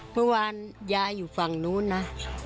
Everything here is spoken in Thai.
เมื่อวานยายอยู่ฝั่งนู้นนะ